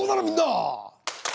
みんな！